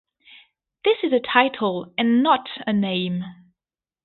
This is a title and not a name.